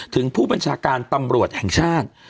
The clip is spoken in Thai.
ถึงผู้บัญชาการตำรวจแห่งชาติ